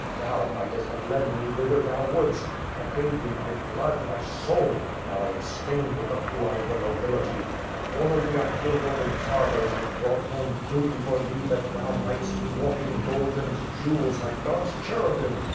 Thou mightest have led me whither thou would'st. I gave thee my blood, my soul; now, I am stained with the blood of the nobility. Formerly, I killed only Tartars, and brought home booty for thee that thou might's walk in gold and jewels, like God's cherubim.